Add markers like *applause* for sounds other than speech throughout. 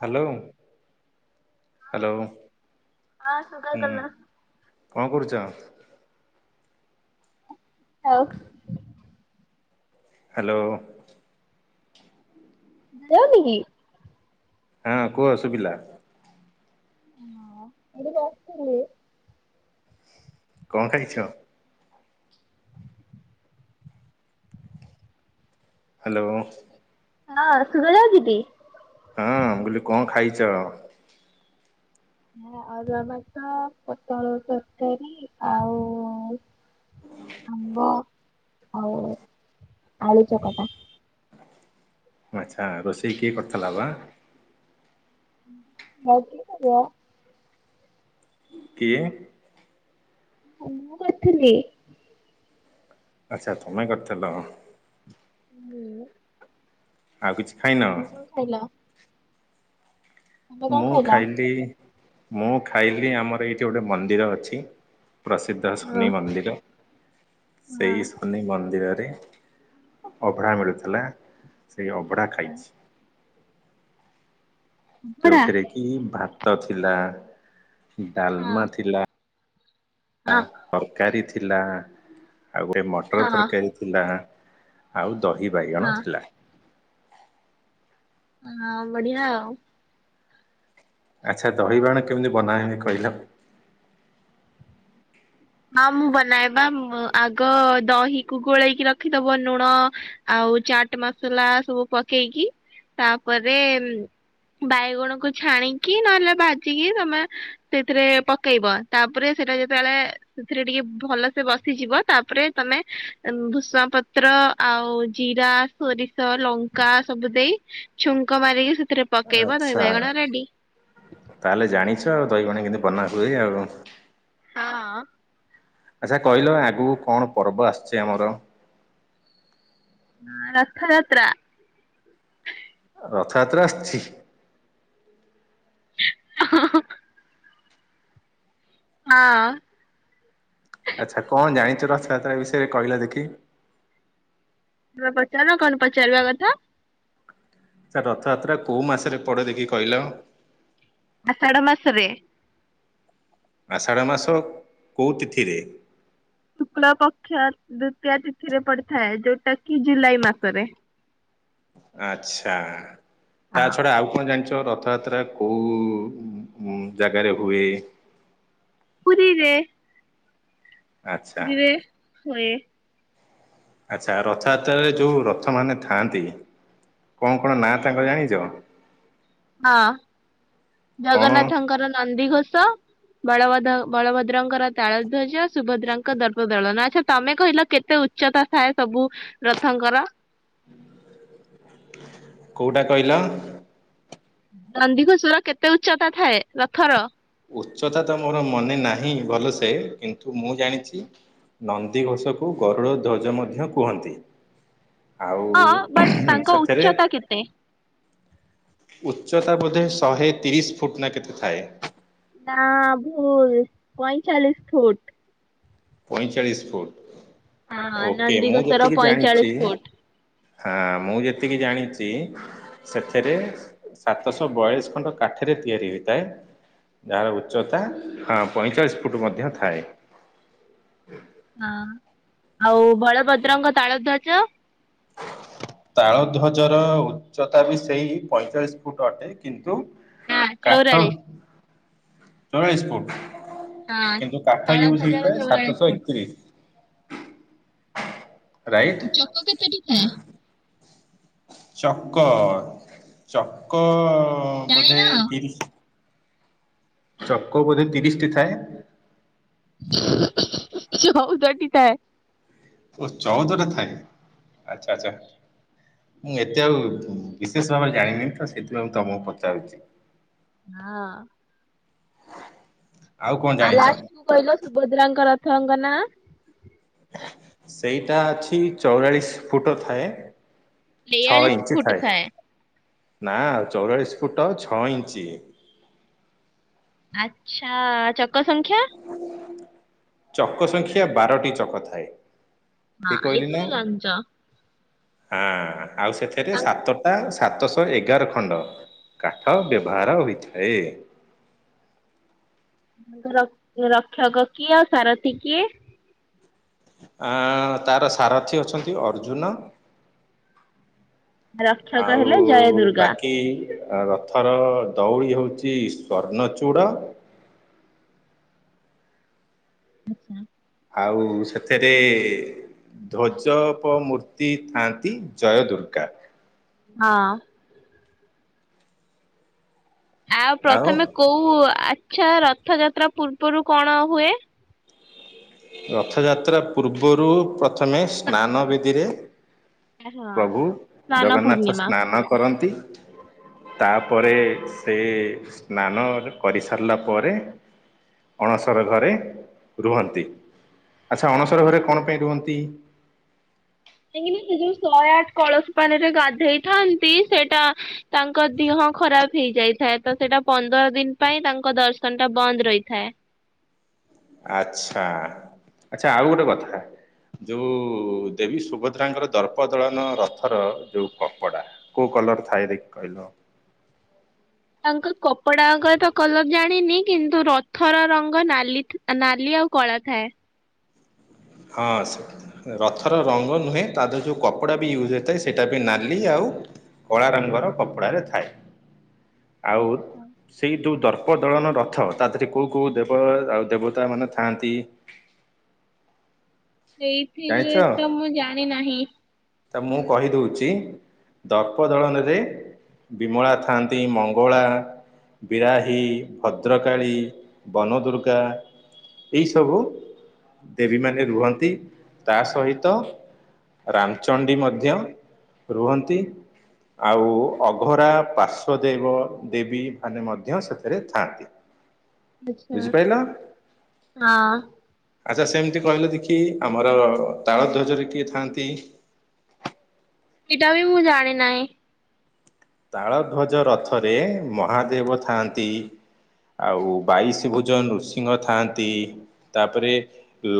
Hello hello. ହଁ ହୁଁ ଶୁଭାଗଲା। କଣ କରୁଛ। ଆଉ। ହାଲୋ। ଭଲ ଲାଗୁନିକି। ହଁ କୁହସୁଭିଲା। ହଁ ଏଇଠି କି ଆସିଥିଲି। କଁ ଖାଇଛ। ହାଲୋ। ନାଁ ଶୁଭା ସାଉଚିକି। ହଁ ମୁଁ କହିଲି କଣ ଖାଇଚ। ମୁଁ ଅରୁଆ ଭାତ ପୋଟଳ ତରକାରୀ ଆଉ ଉଁ। ଆମ୍ବ ଆଉ ଆଳୁ ଚକଟା। ଆଚ୍ଛା ରୋଷେଇ କିଏ କରିଥିଲା ବା। ଆଉ କିଏ କରିବ। କିଏ। ମୁଁ କରିଥିଲି। ଆଚ୍ଛା ତମେ କରିଥିଲ। ମୁଁ। ଆଉ କିଛି ଖାଇନ। ଆଇଲା। ମୁଁ ଖାଇଲ? ଖାଇଲି ମୁଁ ଖାଇଲି ଆମର ଏଇଠି ଗୋଟେ ମନ୍ଦିର ଅଛି। ପ୍ରସିଦ୍ଧ ହଁ ଶନି ମନ୍ଦିର ହଁ ସେଇ ହଁ। ଶନି ମନ୍ଦିରରେ। ଅଭଢା ମିଳୁଥିଲା ସେଇ ଅଭଢା ଖାଇଛି। ହଁ ହଁ ଯୋଉଥିରେ କି ଭାତ ଥିଲା ଡାଲମା ଥିଲା। ଆ ତରକାରୀ ଥିଲା ଆଉ ଗୋଟେ ମଟର ହଁ ହଁ ତରକାରୀ ଥିଲା। ଥିଲା ଆଉ ଦହି ବାଇଗଣ ଥିଲା। ହଁ ବଢିଆ ଆଉ। ଆଚ୍ଛା ଦହି ବାଇଗଣ କେମିତି ବନାହୁଏ କହିଲା। ହଁ ମୁଁ ବନାଏ ବା ଆଗ ଦହିକୁ ଗୋଳେଇକି ରଖିଦବ ଲୁଣ ଆଉ ଚାଟ ମସଲା ସବୁ ପକେଇକି ତାପରେ। ବାଇଗଣ କୁ ଛାଣିକି ନହେଲେ ବାଜିକି ତମେ ସେଇଥିରେ ପକେଇବ ତାପରେ ସେଟା ଯେତେବେଳେ ସେଥିରେ ଟିକେ ଭଲସେ ବସିଯିବ ତାପରେ ତମେ ଭୃସଙ୍ଗ ପତ୍ର ଆଉ ଜିରା ସୋରିଷ ଲଙ୍କା ସବୁ ଦେଇ ଛୁଙ୍କ ମାରିକି ସେଥିରେ ପ ଆଚ୍ଛା ତାହେଲେ ଜାଣିଛ ଆଉ ଦହି ବାଇଗଣ କେମତି ବନାହୁଏ ଆଉ। ହଁ। ଆଚ୍ଛା କହିଲ ଆଗକୁ କଣ ପର୍ବ ଆସିଛି ଆମର। ହଁ ରଥଯାତ୍ରା। ରଥଯାତ୍ରା ଆସିଛି। ହଁ ହଁ। ହଁ। ଆଚ୍ଛା କଣ ଜାଣିଛ ରଥଯାତ୍ରା ବିଷୟରେ କହିଲ ଦେଖି। ତମେ ପଚାର କଣ ପଚାରିବା କଥା। ସାର୍ ରଥଯାତ୍ରା କୋଉ ମାସରେ ପଡେ ଦେଖି କହିଲ? ଆଷାଢ ମାସରେ। ଆଷାଢ଼ ମାସ କୋଉ ତିଥିରେ? ଶୁକ୍ଳ ପକ୍ଷ ଦ୍ଵିତୀୟ ତିଥିରେ ପଡିଥାଏ ଯୋଉଟା କି ଜୁଲାଇ ମାସରେ। ଆଚ୍ଛା ତା ଛଡା ଆଉ କଣ ଜାଣିଛୁ? ଉ ରଥଯାତ୍ରା କୋଉ ଜାଗାରେ ହୁଏ? ପୁରୀରେ। ଆଚ୍ଛା ପୁରୀ ରେ ହୁଏ। ଆଚ୍ଛା ରଥଯାତ୍ରାରେ ଯୋଉ ରଥ ମାନେ ଥାଆନ୍ତି କଣ କଣ ନାଁ ତାଙ୍କର ଜାଣିଛ? ହଁ କଣ ଜଗନ୍ନାଥ ର ନନ୍ଦିଘୋଷ ବଳ ବଳଭଦ୍ରଙ୍କର ତାଳଧ୍ୱଜ ସୁଭଦ୍ରାଙ୍କ ଦର୍ପଦଳନ ଆଚ୍ଛା ତମେ କହିଲ କେତେ ଉଚ୍ଚତା ଥାଏ ସବୁ ରଥଙ୍କର? କୋଉଟା କହିଲ? ନନ୍ଦିଘୋଷର କେତେ ଉଚ୍ଚତା ଥାଏ ରଥର? ଉଚ୍ଚତା ତ ମୋର ମନେ ନାହିଁ ଭଲସେ କିନ୍ତୁ ମୁଁ ଜାଣିଛି ନନ୍ଦିଘୋଷକୁ ଗରୁଡ଼ ଧ୍ୱଜ ମଧ୍ୟ କୁହନ୍ତି। ହଁ ଆଉ ବଟ୍ ତାଙ୍କ ସେଥିରେ ଉଚ୍ଚତା କେତେ? ଉଚ୍ଚତା ବୋଧେ ଶହେ ତିରିଶ ଫୁଟ୍ ନା କେତେ ଥାଏ। ନା ଭୁଲ ପଇଁଚାଳିଶ ଫୁଟ। ପଇଁଚାଳିଶ ହଁ ଫୁଟ ଓକେ ମୁଁ ନନ୍ଦିଘୋଷର ଯେତିକି ପଇଁଚାଳିଶ ଜାଣିଛି ଫୁଟ। ହଁ ମୁଁ ଯେତିକି ଜାଣିଛି ସେଥିରେ ସାତଶହ ବୟାଳିଶ ଖଣ୍ଡ କାଠରେ ତିଆରି ହେଇଥାଏ। ଯାହାର ଉଚ୍ଚତା ହଁ ପଇଁଚାଳିଶ ଫୁଟ ମଧ୍ୟ ଥାଏ। ହଁ ଆଉ ବଳଭଦ୍ରଙ୍କ ତାଳ ଧ୍ୱଜ ହ ତାଳ ଧ୍ୱଜର ଉଚ୍ଚତା ବି ସେଇ ପଇଁଚାଳିଶ ଫୁଟ ଅଟେ କିନ୍ତୁ ନା କାଠ ଚଉରାଳିଶ ଚଳିଶ ଫୁଟ। ହଁ। କିନ୍ତୁ କାଠ ଇଉଜ ତାଳଧ୍ୱଜର ହେଇଥାଏ ଚଉରାଳିଶ ସାତଶହ ଫୁଟ। ଏକତିରିଶ। ରାଇଟ୍। ଚକ କେତେଟି ଥାଏ। ଚକ ଚକ ଜାଣିନ? ବୋଧେ ତିରିଶ। ଚକ ବୋଧେ ତିରିଶ ଟି ଥାଏ। ଚଉଦ ଟି ଥାଏ। ଓ ଚଉଦଟା ଥାଏ ଆଚ୍ଛା ଆଚ୍ଛା ମୁଁ ଏତେ ଆଉ ବିଶେଷ ଭାବରେ ଜାଣିନି ତ ସେଥିପାଇଁ ମୁଁ ତମକୁ ପଚାରୁଛି। ହଁ। କଣ ଆଉ ଜାଣିଛ? ଲାଷ୍ଟ କୁ କହିଲ ସୁଭଦ୍ରାଙ୍କ ରଥ ଙ୍ଗ ନା? ସେଇଟା ଅଛି ଚଉରାଳିଶ ଫୁଟ ଥାଏ। ଛଅ ତେୟାଳିଶ ଇଞ୍ଚ ଫୁଟ ଥାଏ ନା ଚଉରାଳିଶ ଫୁଟ ଛଅ ଇଞ୍ଚ। ଆଛା ଚକ ସଂଖ୍ୟା? ଚକ ସଂଖ୍ୟା ବାରଟି ଚକ ଥାଏ। ହଁ ଠିକ କହିଲି ନା ଏଥିରେ ଜାଣିଚ। ହଁ ଆଉ ସେଥିରେ ତାଙ୍କ ସାତ ତା ସାତଶହ ଏଗାର ଖଣ୍ଡ କାଠ ବ୍ୟବହାର ହୋଇଥାଏ। ତାଙ୍କ ରକ୍ଷକ କିଏ ଆଉ ସାରଥୀ କିଏ? ତାର ସାରଥୀ ଅଛନ୍ତି ଅର୍ଜୁନ। ରକ୍ଷକ ହେଲେ ଜୟ ଆଉ ଦୁର୍ଗା। ବାକି ରଥର ଦଉଡି ହଉଛି ସ୍ଵର୍ଣ୍ଣଚୂଡ। ଆଛା। ଆଉ ସେଥିରେ ଧ୍ୱଜପ ମୂର୍ତ୍ତି ଥାଆନ୍ତି ଜୟ ଦୁର୍ଗା। ହଁ। ଆଉ ପ୍ରଥମେ କୋଉ ଆଛା ରଥଯାତ୍ରା ପୂର୍ବରୁ କଣ ହୁଏ? ରଥଯାତ୍ରା ପୂର୍ବରୁ ପ୍ରଥମେ ସ୍ନାନ ବିଧିରେ ହଁ। ପ୍ରଭୁ ସ୍ନାନ ଜଗନ୍ନାଥ ପୂର୍ଣ୍ଣିମା। ସ୍ନାନ କରନ୍ତି। ତାପରେ ସେ ସ୍ନାନ କରି ସାରିଲା ପରେ? ଅଣସର ଘରେ ରୁହନ୍ତି। ଆଚ୍ଛା ଅଣସର ଘରେ କଣ ପାଇଁ ରୁହନ୍ତି? କାହିଁକି ସେ ଯୋଉ ଶହେ ଆଠ କଳସ ପାଣିରେ ଗାଧେଇଥାନ୍ତି ସେଇଟା ତାଙ୍କ ଦେିହ ଖରାପ ହେଇଯାଇଥାଏ ତ ସେଇଟା ପନ୍ଦର ଦିନ ପାଇଁ ତାଙ୍କ ଦର୍ଶନ ଟା ବନ୍ଦ ରହିଥାଏ ଆଛା ଆଛା ଆଉ ଗୋଟେ କଥା? ଯୋଉ ଦେବୀ ସୁଭଦ୍ରାଙ୍କର ଦର୍ପ ଦଳନ ରଥର ଯୋଉ କପଡା। କୋଉ କଲର ଥାଏ ଦେଖି କହିଲ? ତାଙ୍କ କପଡାଙ୍କର ତ କଲର ଜାଣିନି କିନ୍ତୁ ରଥର ରଙ୍ଗ ନାଲି- ନାଲି ଆଉ କଳା ଥାଏ। ହଁ ସେଠି ରଥର ରଙ୍ଗ ନୁହେଁ ତା ଦେ ଯେଉଁ କପଡ଼ା ବି ୟୁଜ୍ ହୋଇଇଥାଏ ସେଇଟା ବି ନାଲି ଆଉ କଳା ରଙ୍ଗର କପଡାରେ ଥାଏ ଆଉ ସେଇ ଯୋଉ ଦର ଅପଦଳନ ରଥ ତା ଦେହରେ କେଉଁ କେଉଁ ଦେବ ଆଉ ଦେବତାମାନେ ଥାଆନ୍ତି? ଜାଣିଛ ସେଇଥିରେ ତ ମୁଁ ଜାଣି ନାହିଁ। ତା ମୁଁ କହିଦଉଛି ଦର୍ପ ଦଳନରେ ବିମଳା ଥାନ୍ତି ମଙ୍ଗଳା ବିରାହୀ ଭଦ୍ରକାଳୀ ବନଦୁର୍ଗା। ଏଇ ସବୁ ଦେବୀ ମାନେ ରୁହନ୍ତି ତା ସହିତ ରାମଚଣ୍ଡୀ ମଧ୍ୟ ରୁହନ୍ତି। ଆଉ ଅଘରା ପାର୍ଶ୍ୱଵଦେବ ଦେବୀମାନେ ମଧ୍ୟ ସେଥିରେ ଥାନ୍ତି। ହ ଆଛା ବୁଝିପାଇଲ ହଁ ଆଚ୍ଛା ସେମିତି କହିଲ ଦେଖି *unintelligible* ତାଳ ଧ୍ୱଜରେ କିଏ ଥାଆନ୍ତି? ଏଇଟା ବି ମୁଁ ଜାଣି ନାହିଁ। ତାଳଧ୍ୱଜ ରଥରେ ମହାଦେବ ଥାଆନ୍ତି? ଆଉ ବାଇଶ ଭୋଜନ ନୃସିଂହ ଥାଆନ୍ତି। ତାପରେ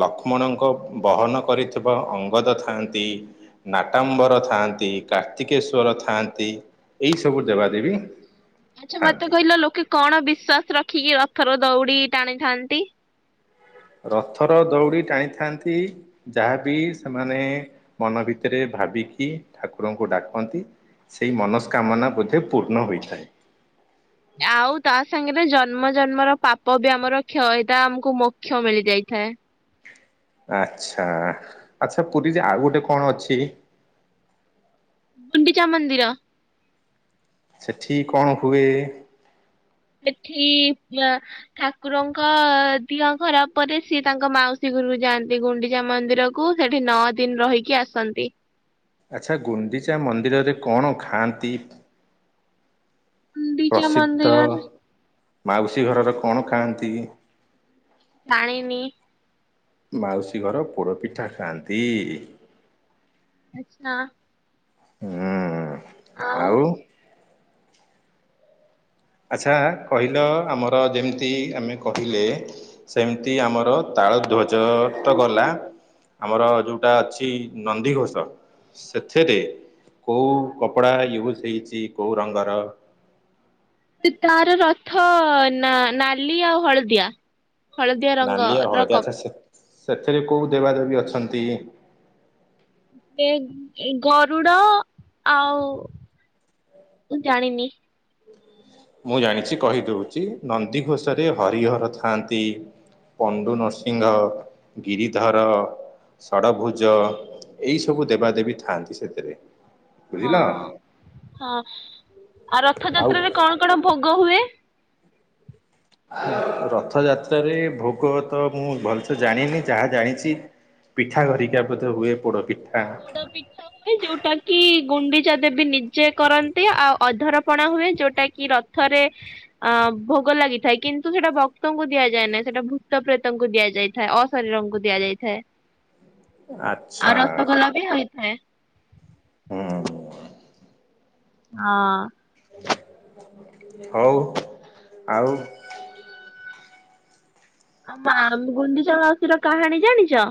ଲକ୍ଷ୍ମଣଙ୍କ ବହନ କରିଥିବା ଅଙ୍ଗଦ ଥାଆନ୍ତି। ନାଟାମ୍ବର ଥାଆନ୍ତି କାର୍ତ୍ତିକେଶ୍ୱର ଥାଆନ୍ତି। ଏଇ ସବୁ ଦେବାଦେବି ଆଚ୍ଛା ମତେ କହିଲ ଲୋକେ କଣ ବିଶ୍ଵାସ ରଖିକି ରଥର ଦଉଡି ଟାଣିଥାନ୍ତି? ରଥର ଦଉଡ଼ି ଟାଣିଥାନ୍ତି। ଯାହାବି ସେମାନେ ମନ ଭିତରେ ଭାବିକି ଠାକୁରଙ୍କୁ ଡାକନ୍ତି। ସେଇ ମନସ୍କାମନା ବୋଧେ ପୂର୍ଣ୍ଣ ହୋଇଥାଏ। ଆଉ ତା ସାଙ୍ଗରେ ଜନ୍ମ ଜନ୍ମର ପାପ ବି ଆମର କ୍ଷୟତା ଆମକୁ ମୋକ୍ଷ ମିଳିଯାଇଥାଏ। ଆଛା ଆଛା ପୁରୀ ଯେ ଆଉ ଗୋଟେ କଣ ଅଛି? ଗୁଣ୍ଡିଚା ମନ୍ଦିର। ସେଠି କଣ ହୁଏ? ସେଠି ୟା ଠାକୁରଙ୍କ ଦିଅ ଖରାପରେ ସିଏ ତାଙ୍କ ମାଉସୀ ଘରୁକୁ ଯାଆନ୍ତି ଗୁଣ୍ଡିଚା ମନ୍ଦିର। କୁ ସେଠି ନଅ ଦିନ ରହିକି ଆସନ୍ତି। ଆଚ୍ଛା ଗୁଣ୍ଡିଚା ମନ୍ଦିରରେ କଣ ଖାଆନ୍ତି? ଗୁଣ୍ଡିଚା ପ୍ରସିଦ୍ଧ ମନ୍ଦିରରେ ମାଉସୀ ଘରର କଣ ଖାଆନ୍ତି? ପାଣିନି। ମାଉସୀ ଘର ପୋଡ଼ ପିଠା ଖାଆନ୍ତି। ଆଛା। ହୁଁ। ଆଉ। ଆଚ୍ଛା କହିଲ ଆମର ଯେମିତି ଆମେ କହିଲେ। ସେମିତି ଆମର ତାଳ ଧ୍ୱଜ ତ ଗଲା। ଆମର ଯୋଉଟା ଅଛି ନନ୍ଦିଘୋଷ। ସେଥିରେ କେଉଁ କପଡ଼ା ୟୁଜ୍ ହେଇଛି କୋଉ ରଙ୍ଗର? ତାର ରଥ ନା ନାଲି ଆଉ ହଳଦିଆ। ହଳଦିଆ ରଙ୍ଗ ନାଲି ଆଉ ର ହଳଦୀ ଆଚ୍ଛା କପ୍ ସେ ସେଥିରେ କୋଉ ଦେବାଦେବୀ ଅଛନ୍ତି? ଏ ଗରୁଡ଼ ଆଉ ମୁଁ ଜାଣିିନି। ମୁଁ ଜାଣିଛି କହିଦେଉଛି। ନନ୍ଦୀଘୋଷରେ ହରିହର ଥାଆନ୍ତି। ପଣ୍ଡୁ ନରସିଂହ, ଗିରିଧର। ଷଡ଼ଭୁଜ ଏଇ ସବୁ ଦେବାଦେବୀ ଥାଆନ୍ତି ସେଥିରେ। ହଁ ବୁଝିଲ ହଁ, ଆଉ ରଥଯାତ୍ରାରେ କଣ କଣ ଭୋଗ ହୁଏ? ରଥଯାତ୍ରାରେ ଭୋଗ ତ ମୁଁ ଭଲସେ ଜାଣିନି ଯାହା ଜାଣିଛି। ପିଠା ଘରିକି ମଧ୍ୟ ହୁଏ ପୋଡ଼ ପିଠା। ତ ପିଠା। ହୁଏ ଯୋଉଟା କି ଗୁଣ୍ଡିଚା ଦେବୀ ନିଜେ କରନ୍ତି। ଆଉ ଅଧରପଣା ହୁଏ ଯୋଉଟା କି ର ଥରେ ଅ ଭୋଗ ଲାଗିଥାଏ କିନ୍ତୁ ସେଟା ଭକ୍ତଙ୍କୁ ଦିଆଯାଏ ନାହିଁ। ସେଟା ଭୂତ ପ୍ରେତଙ୍କୁ ଦିଆଯାଏ। ଥାଏ ଅ ଶରୀରଙ୍କୁ ଦିଆଯାଇଥାଏ। ଆଚ୍ଛା। ତବି ହୋଇଇଥାଏ। ହୁଁ। ଅଁ। ହଉ ଆଉ। ପା ଗୁଣ୍ଡିଚା ମାଉସ ର କାହାଣୀ ଜାଣିଛ?